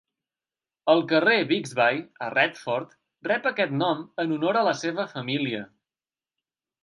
El carrer Bigsby, a Retford, rep aquest nom en honor a la seva família.